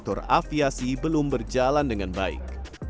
dan juga penerbangan perusahaan aviasi belum berjalan dengan baik